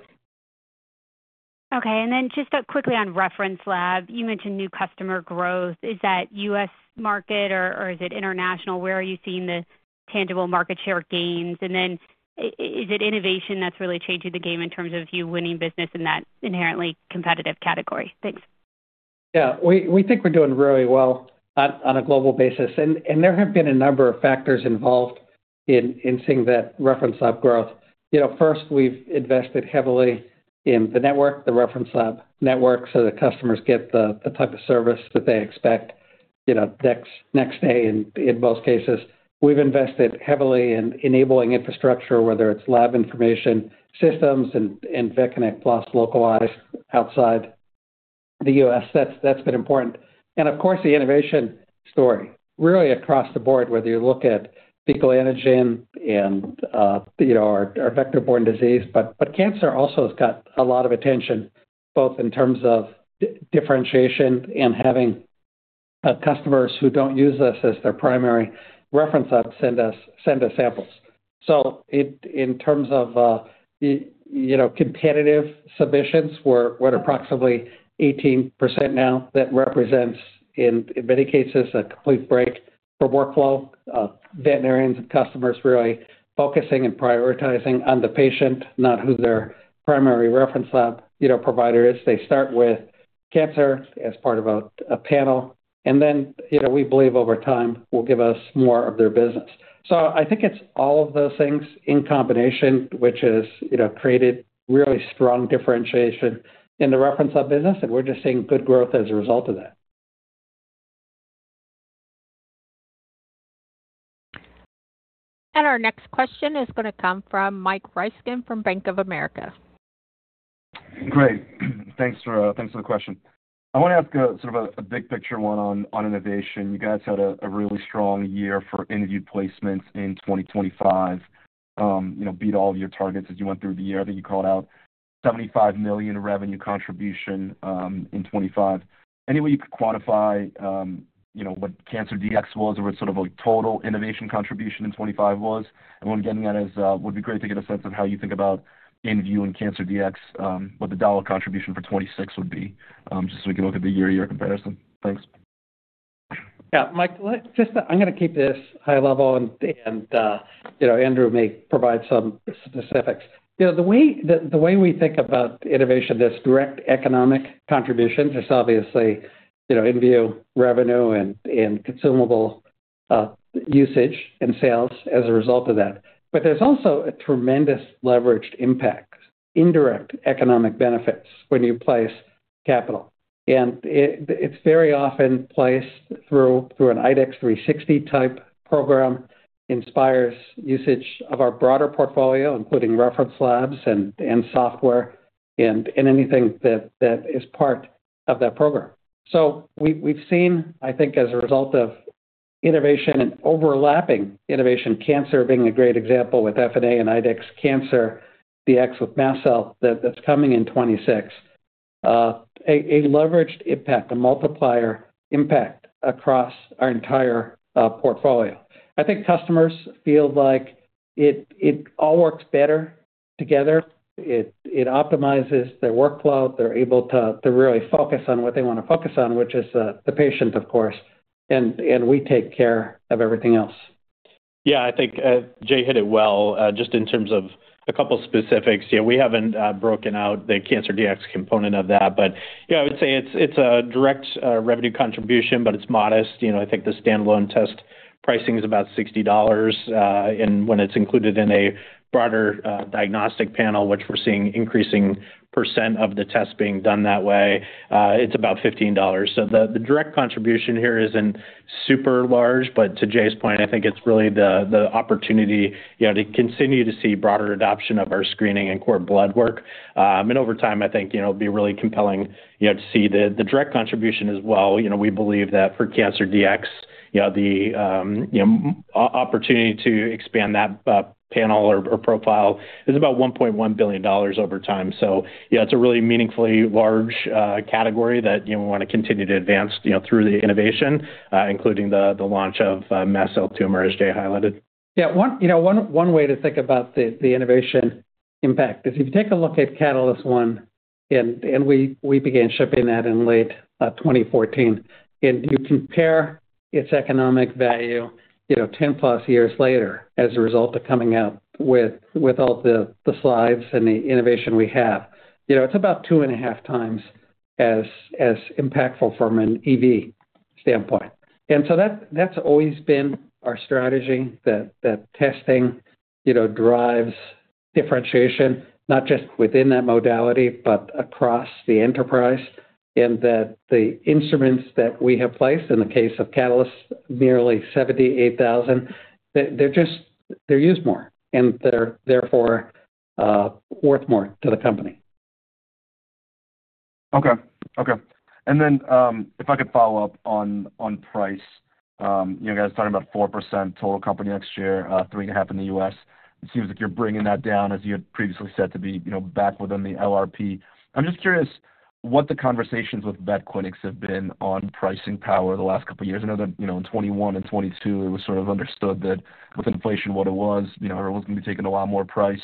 Okay. And then just quickly on reference lab, you mentioned new customer growth. Is that US market or, or is it international? Where are you seeing the tangible market share gains? And then is it innovation that's really changing the game in terms of you winning business in that inherently competitive category? Thanks. Yeah. We think we're doing really well on a global basis, and there have been a number of factors involved in seeing that reference lab growth. You know, first, we've invested heavily in the network, the reference lab network, so the customers get the type of service that they expect, you know, next day, in most cases. We've invested heavily in enabling infrastructure, whether it's lab information systems and VetConnect PLUS localized outside the U.S. That's been important. And of course, the innovation story, really across the board, whether you look at fecal antigen and, you know, our vector-borne disease, but cancer also has got a lot of attention, both in terms of differentiation and having customers who don't use us as their primary reference lab send us samples. So in terms of, you know, competitive submissions, we're at approximately 18% now. That represents, in, in many cases, a complete break for workflow, veterinarians and customers really focusing and prioritizing on the patient, not who their primary reference lab, you know, provider is. They start with cancer as part of a panel, and then, you know, we believe over time will give us more of their business. So I think it's all of those things in combination, which has, you know, created really strong differentiation in the reference lab business, and we're just seeing good growth as a result of that. Our next question is going to come from Mike Ryskin from Bank of America. Great. Thanks for, thanks for the question. I want to ask a, sort of a big picture one on, on innovation. You guys had a, a really strong year for inVue Dx placements in 2025. You know, beat all of your targets as you went through the year. I think you called out $75 million revenue contribution in 2025. Any way you could quantify, you know, what Cancer Dx was, or what sort of a total innovation contribution in 2025 was? And what I'm getting at is, would be great to get a sense of how you think about inVue Dx and Cancer Dx, what the dollar contribution for 2026 would be, just so we can look at the year-to-year comparison. Thanks. Yeah, Mike, I'm going to keep this high level and, you know, Andrew may provide some specifics. You know, the way we think about innovation, there's direct economic contribution. There's obviously, you know, inVue revenue and consumable usage and sales as a result of that. But there's also a tremendous leveraged impact, indirect economic benefits when you place capital. And it, it's very often placed through an IDEXX 360 type program, inspires usage of our broader portfolio, including reference labs and software and anything that is part of that program. So we've seen, I think, as a result of innovation and overlapping innovation, cancer being a great example with FNA and IDEXX Cancer Dx with mast cell, that's coming in 2026, a leveraged impact, a multiplier impact across our entire portfolio. I think customers feel like it all works better together. It optimizes their workflow. They're able to really focus on what they want to focus on, which is the patient, of course, and we take care of everything else. Yeah, I think Jay hit it well. Just in terms of a couple specifics, yeah, we haven't broken out the Cancer Dx component of that, but yeah, I would say it's a direct revenue contribution, but it's modest. You know, I think the standalone test pricing is about $60, and when it's included in a broader diagnostic panel, which we're seeing increasing % of the tests being done that way, it's about $15. So the direct contribution here isn't super large, but to Jay's point, I think it's really the opportunity, you know, to continue to see broader adoption of our screening and core blood work. And over time, I think, you know, it'll be really compelling, you know, to see the direct contribution as well. You know, we believe that for Cancer Dx, you know, the opportunity to expand that panel or profile is about $1.1 billion over time. So yeah, it's a really meaningfully large category that, you know, we want to continue to advance, you know, through the innovation, including the launch of mesothelioma, as Jay highlighted. Yeah, one. You know, one, one way to think about the, the innovation impact is if you take a look at Catalyst One, and, and we, we began shipping that in late, 2014, and you compare its economic value, you know, 10+ years later, as a result of coming out with, with all the, the slides and the innovation we have, you know, it's about 2.5 times as, as impactful from an EV standpoint. And so that- that's always been our strategy, that, that testing, you know, drives differentiation, not just within that modality, but across the enterprise, and that the instruments that we have placed, in the case of Catalyst, nearly 78,000, they- they're just-- they're used more, and they're therefore, worth more to the company. Okay. Okay. And then, if I could follow up on price, you guys talking about 4% total company next year, 3.5% in the U.S. It seems like you're bringing that down, as you had previously said, to be, you know, back within the LRP. I'm just curious what the conversations with vet clinics have been on pricing power the last couple of years. I know that, you know, in 2021 and 2022, it was sort of understood that with inflation, what it was, you know, everyone's going to be taking a lot more price.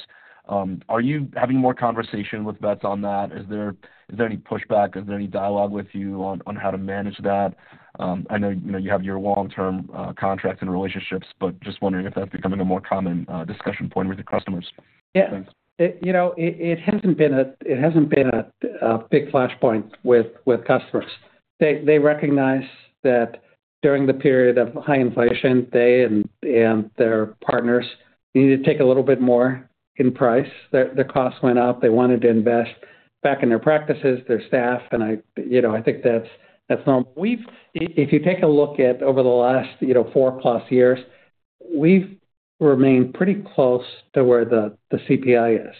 Are you having more conversation with vets on that? Is there any pushback? Is there any dialogue with you on how to manage that? I know, you know, you have your long-term contracts and relationships, but just wondering if that's becoming a more common discussion point with your customers? Yeah. You know, it hasn't been a big flashpoint with customers. They recognize that during the period of high inflation, they and their partners needed to take a little bit more in price. Their costs went up. They wanted to invest back in their practices, their staff, and, you know, I think that's normal. We've, if you take a look at over the last, you know, four plus years, we've remained pretty close to where the CPI is,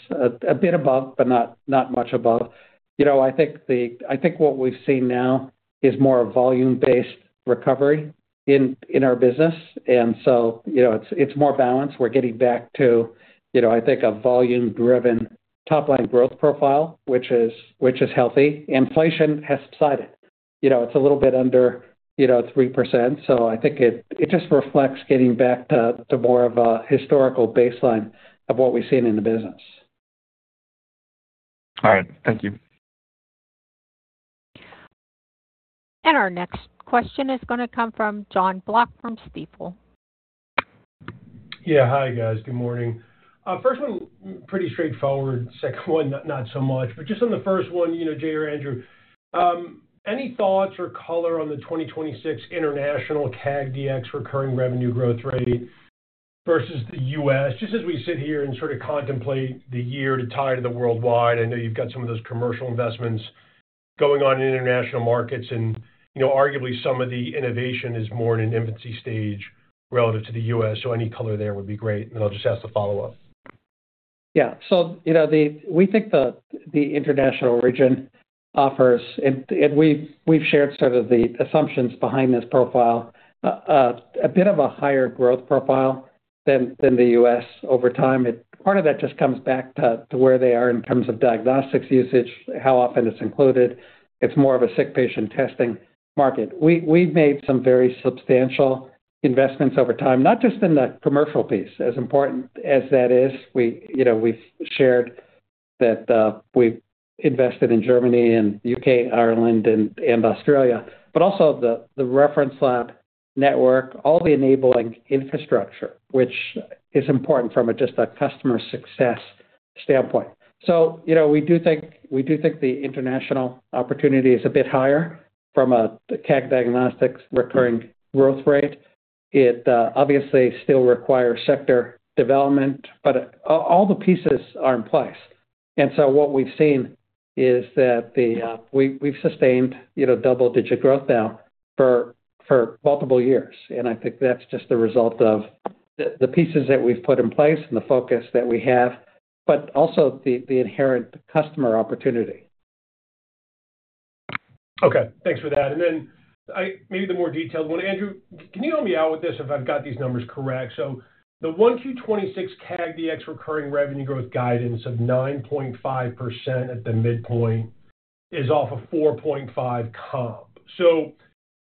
a bit above, but not much above. You know, I think what we've seen now is more a volume-based recovery in our business, and so, you know, it's more balanced. We're getting back to, you know, I think, a volume-driven top-line growth profile, which is healthy. Inflation has decided, you know, it's a little bit under, you know, 3%, so I think it just reflects getting back to more of a historical baseline of what we've seen in the business. All right. Thank you. Our next question is going to come from Jon Block from Stifel. Yeah. Hi, guys. Good morning. First one, pretty straightforward, second one, not, not so much. But just on the first one, you know, Jay or Andrew, any thoughts or color on the 2026 international COAG DX recurring revenue growth rate versus the U.S.? Just as we sit here and sort of contemplate the year to tie to the worldwide, I know you've got some of those commercial investments going on in international markets, and, you know, arguably some of the innovation is more in an infancy stage relative to the U.S., so any color there would be great. And I'll just ask the follow-up. Yeah. So, you know, we think the international region offers, and we've shared sort of the assumptions behind this profile, a bit of a higher growth profile than the U.S. over time. It. Part of that just comes back to where they are in terms of diagnostics usage, how often it's included. It's more of a sick patient testing market. We've made some very substantial investments over time, not just in the commercial piece. As important as that is, you know, we've shared that, we've invested in Germany and U.K., Ireland, and Australia, but also the reference lab network, all the enabling infrastructure, which is important from just a customer success standpoint. So, you know, we do think the international opportunity is a bit higher from a CAG Diagnostics recurring growth rate. It obviously still requires sector development, but all the pieces are in place. And so what we've seen is that we've sustained, you know, double-digit growth now for multiple years, and I think that's just the result of the pieces that we've put in place and the focus that we have, but also the inherent customer opportunity. Okay, thanks for that. Maybe the more detailed one. Andrew, can you help me out with this if I've got these numbers correct? So the 1Q 2026 Coag Dx recurring revenue growth guidance of 9.5% at the midpoint is off of 4.5 comp. So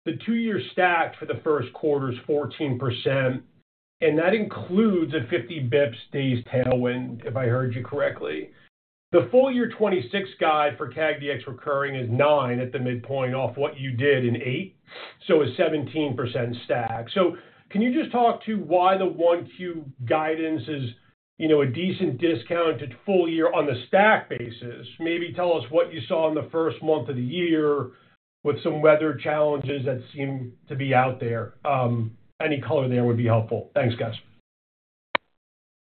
the two-year stack for the first quarter is 14%, and that includes a 50 basis points days tailwind, if I heard you correctly. The full year 2026 guide for Coag Dx recurring is 9% at the midpoint off what you did in eight, so a 17% stack. So can you just talk to why the 1Q guidance is, you know, a decent discount to full year on the stack basis? Maybe tell us what you saw in the first month of the year with some weather challenges that seem to be out there. Any color there would be helpful. Thanks, guys.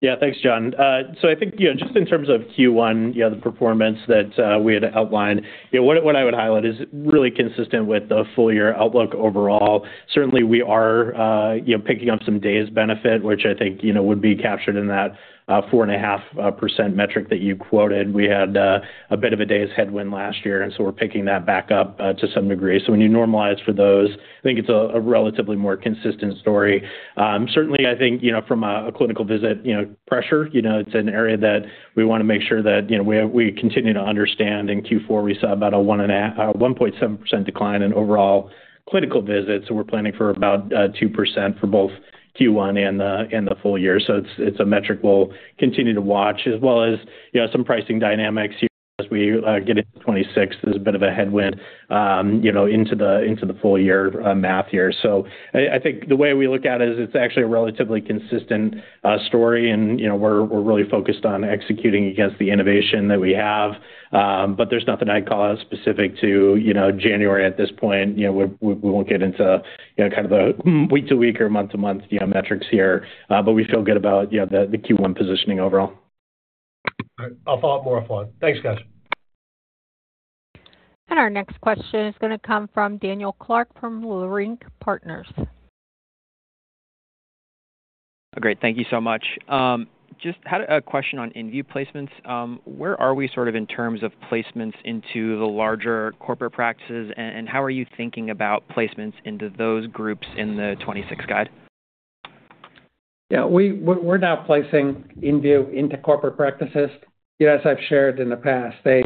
Yeah, thanks, Jon. So I think, you know, just in terms of Q1, you know, the performance that we had outlined, you know, what I would highlight is really consistent with the full year outlook overall. Certainly, we are, you know, picking up some days benefit, which I think, you know, would be captured in that 4.5% metric that you quoted. We had a bit of a day's headwind last year, and so we're picking that back up to some degree. So when you normalize for those, I think it's a relatively more consistent story. Certainly, I think, you know, from a clinical visit pressure, you know, it's an area that we want to make sure that, you know, we are - we continue to understand. In Q4, we saw about a 1.7% decline in overall clinical visits, so we're planning for about 2% for both Q1 and the full year. So it's a metric we'll continue to watch, as well as, you know, some pricing dynamics as we get into 2026. There's a bit of a headwind, you know, into the full year. So I think the way we look at it is it's actually a relatively consistent story and, you know, we're really focused on executing against the innovation that we have. But there's nothing I'd call out specific to, you know, January at this point. You know, we won't get into, you know, kind of a week to week or month to month, you know, metrics here, but we feel good about, you know, the Q1 positioning overall. All right. I'll follow up more on. Thanks, guys. Our next question is going to come from Daniel Clark, from Leerink Partners. Great. Thank you so much. Just had a question on inVue placements. Where are we sort of in terms of placements into the larger corporate practices, and how are you thinking about placements into those groups in the 2026 guide? Yeah, we're now placing inVue Dx into corporate practices. You know, as I've shared in the past, they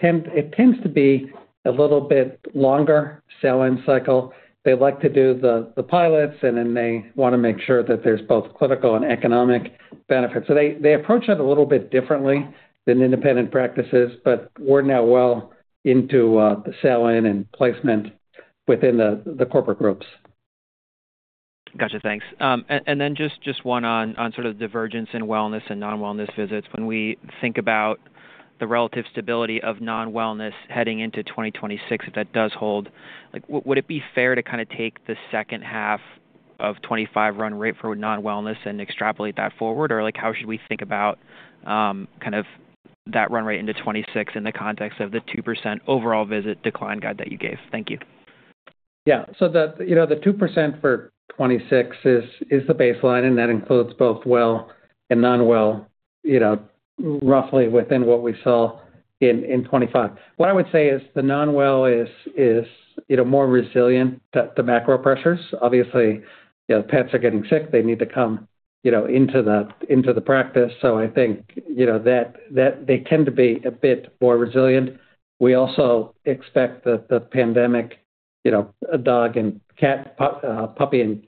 tend, it tends to be a little bit longer sell-in cycle. They like to do the pilots, and then they want to make sure that there's both clinical and economic benefits. So they approach it a little bit differently than independent practices, but we're now well into the sell-in and placement within the corporate groups. Gotcha, thanks. And then just one on sort of divergence in wellness and non-wellness visits. When we think about the relative stability of non-wellness heading into 2026, if that does hold, like, would it be fair to kind of take the second half of 2025 run rate for non-wellness and extrapolate that forward? Or, like, how should we think about kind of that run rate into 2026 in the context of the 2% overall visit decline guide that you gave? Thank you. Yeah. So the, you know, the 2% for 2026 is the baseline, and that includes both well and non-well, you know, roughly within what we saw in 2025. What I would say is the non-well is, you know, more resilient to the macro pressures. Obviously, you know, pets are getting sick. They need to come, you know, into the, into the practice. So I think, you know, that, that they tend to be a bit more resilient. We also expect that the pandemic, you know, a dog and cat, puppy and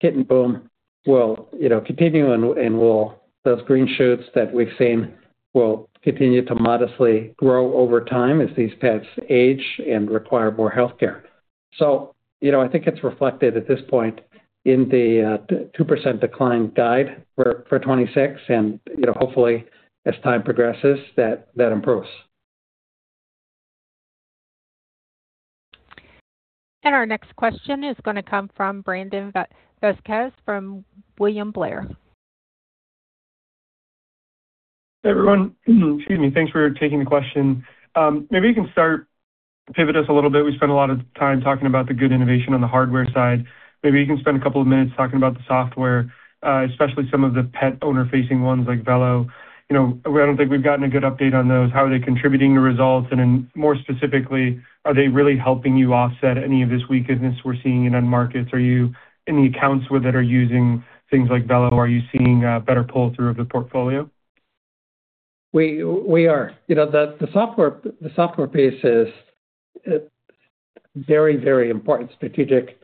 kitten boom will, you know, continue and will those green shoots that we've seen will continue to modestly grow over time as these pets age and require more healthcare. You know, I think it's reflected at this point in the 2% decline guide for 2026, and, you know, hopefully, as time progresses, that improves. Our next question is going to come from Brandon Vazquez, from William Blair. Everyone, excuse me, thanks for taking the question. Maybe you can start—pivot us a little bit. We spent a lot of time talking about the good innovation on the hardware side. Maybe you can spend a couple of minutes talking about the software, especially some of the pet owner-facing ones, like Vello. You know, I don't think we've gotten a good update on those. How are they contributing to results? And then, more specifically, are they really helping you offset any of this weakness we're seeing in end markets? Are you in the accounts that are using things like Vello, are you seeing, better pull-through of the portfolio? We are. You know, the software piece is a very, very important strategic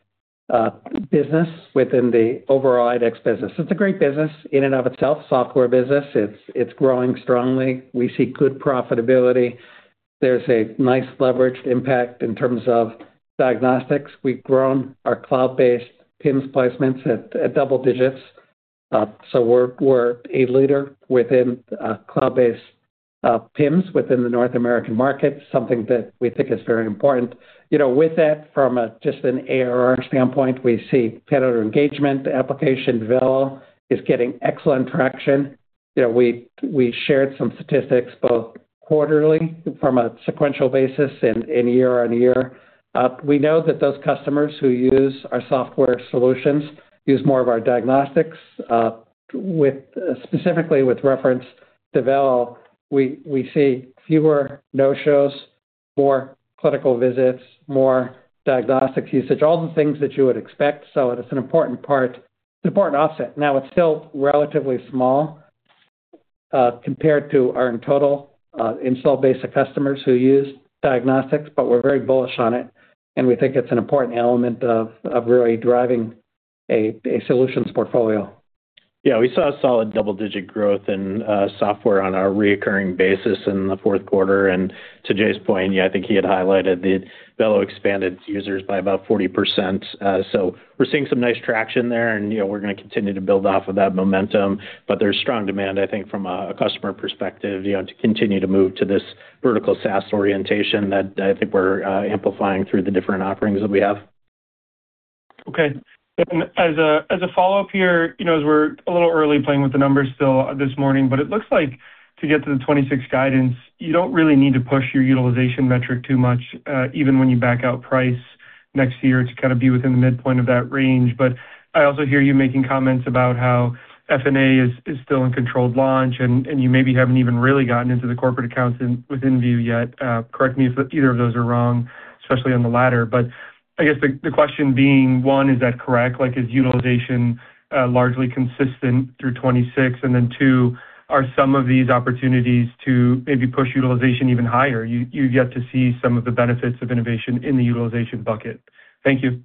business within the overall IDEXX business. It's a great business in and of itself, software business. It's growing strongly. We see good profitability. There's a nice leveraged impact in terms of diagnostics. We've grown our cloud-based PIMS placements at double digits, so we're a leader within cloud-based PIMS within the North American market, something that we think is very important. You know, with that, from just an ARR standpoint, we see pet owner engagement. The application, Vello, is getting excellent traction. You know, we shared some statistics, both quarterly from a sequential basis and in year-on-year. We know that those customers who use our software solutions use more of our diagnostics, specifically with reference to Vello. We see fewer no-shows, more clinical visits, more diagnostics usage, all the things that you would expect, so it's an important part, an important offset. Now, it's still relatively small compared to our total install base of customers who use diagnostics, but we're very bullish on it, and we think it's an important element of really driving a solutions portfolio. Yeah, we saw a solid double-digit growth in software on our recurring basis in the fourth quarter. And to Jay's point, yeah, I think he had highlighted that Vello expanded its users by about 40%. So we're seeing some nice traction there, and, you know, we're gonna continue to build off of that momentum. But there's strong demand, I think, from a customer perspective, you know, to continue to move to this vertical SaaS orientation that I think we're amplifying through the different offerings that we have. Okay. And as a follow-up here, you know, as we're a little early playing with the numbers still this morning, but it looks like to get to the 2026 guidance, you don't really need to push your utilization metric too much, even when you back out price next year to kind of be within the midpoint of that range. But I also hear you making comments about how FNA is still in controlled launch, and you maybe haven't even really gotten into the corporate accounts within view yet. Correct me if either of those are wrong, especially on the latter. But I guess the question being, one, is that correct? Like, is utilization largely consistent through 2026? And then, two, are some of these opportunities to maybe push utilization even higher? You've yet to see some of the benefits of innovation in the utilization bucket. Thank you.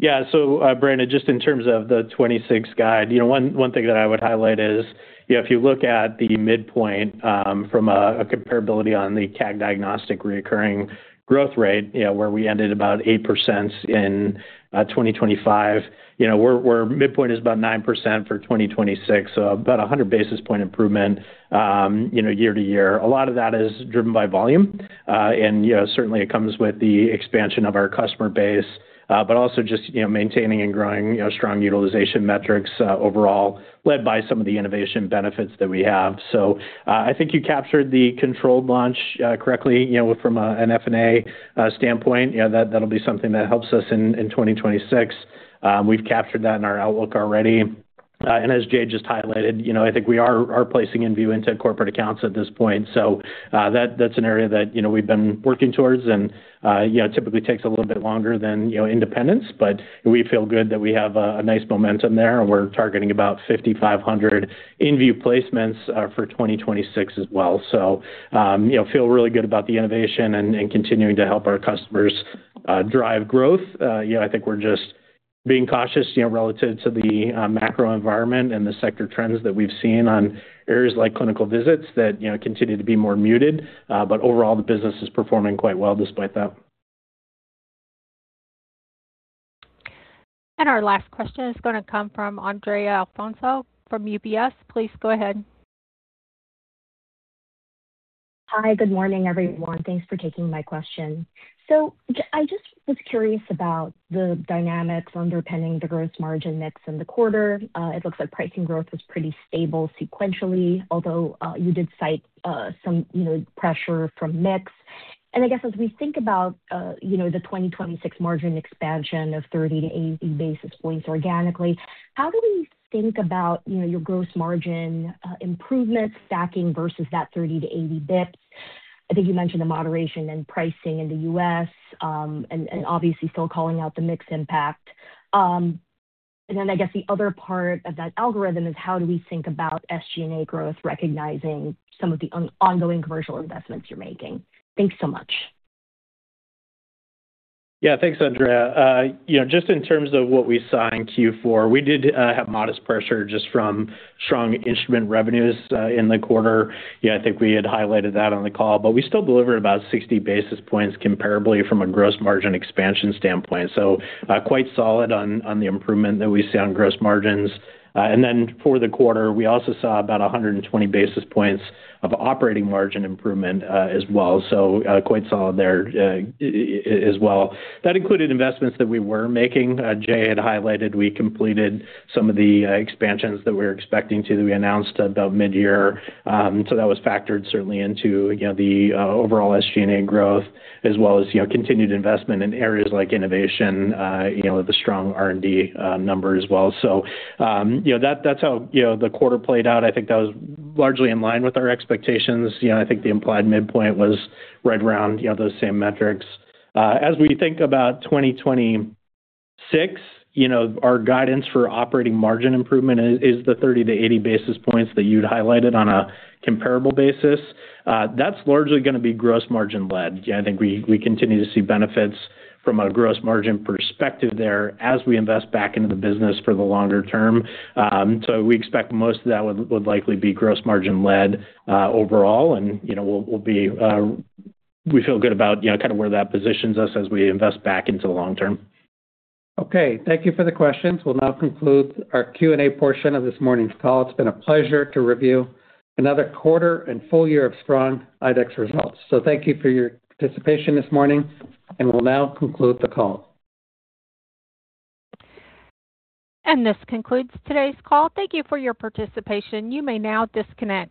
Yeah. So, Brandon, just in terms of the 2026 guide, you know, one thing that I would highlight is, you know, if you look at the midpoint, from a comparability on the CAG diagnostic recurring growth rate, you know, where we ended about 8% in 2025, you know, we're midpoint is about 9% for 2026, so about 100 basis point improvement, you know, year to year. A lot of that is driven by volume, and, you know, certainly it comes with the expansion of our customer base, but also just, you know, maintaining and growing, you know, strong utilization metrics, overall, led by some of the innovation benefits that we have. So, I think you captured the controlled launch, correctly, you know, from an FNA standpoint. Yeah, that, that'll be something that helps us in 2026. We've captured that in our outlook already. And as Jay just highlighted, you know, I think we are placing inVue into corporate accounts at this point. So, that, that's an area that, you know, we've been working towards, and, you know, typically takes a little bit longer than, you know, independents. But we feel good that we have a nice momentum there, and we're targeting about 5,500 inVue placements for 2026 as well. So, you know, feel really good about the innovation and continuing to help our customers drive growth. You know, I think we're just being cautious, you know, relative to the macro environment and the sector trends that we've seen on areas like clinical visits that, you know, continue to be more muted. But overall, the business is performing quite well despite that. Our last question is gonna come from Andrea Alfonso from UBS. Please go ahead. Hi, good morning, everyone. Thanks for taking my question. So I just was curious about the dynamics underpinning the gross margin mix in the quarter. It looks like pricing growth was pretty stable sequentially, although you did cite some, you know, pressure from mix. And I guess as we think about the 2026 margin expansion of 30-80 basis points organically, how do we think about your gross margin improvements stacking versus that 30-80 basis points? I think you mentioned the moderation in pricing in the U.S., and obviously still calling out the mix impact. And then I guess the other part of that algorithm is how do we think about SG&A growth, recognizing some of the ongoing commercial investments you're making? Thanks so much. Yeah, thanks, Andrea. You know, just in terms of what we saw in Q4, we did have modest pressure just from strong instrument revenues in the quarter. Yeah, I think we had highlighted that on the call, but we still delivered about 60 basis points comparably from a gross margin expansion standpoint. So, quite solid on the improvement that we see on gross margins. And then for the quarter, we also saw about 120 basis points of operating margin improvement as well, so quite solid there as well. That included investments that we were making. Jay had highlighted, we completed some of the expansions that we were expecting to, that we announced about midyear. So that was factored certainly into, you know, the overall SG&A growth, as well as, you know, continued investment in areas like innovation, you know, with the strong R&D number as well. So, you know, that's, that's how, you know, the quarter played out. I think that was largely in line with our expectations. You know, I think the implied midpoint was right around, you know, those same metrics. As we think about 2026, you know, our guidance for operating margin improvement is, is the 30-80 basis points that you'd highlighted on a comparable basis. That's largely gonna be gross margin-led. Yeah, I think we, we continue to see benefits from a gross margin perspective there as we invest back into the business for the longer term. So we expect most of that would likely be gross margin-led overall, and, you know, we'll be we feel good about, you know, kind of where that positions us as we invest back into the long term. Okay, thank you for the questions. We'll now conclude our Q&A portion of this morning's call. It's been a pleasure to review another quarter and full year of strong IDEXX results. So thank you for your participation this morning, and we'll now conclude the call. This concludes today's call. Thank you for your participation. You may now disconnect.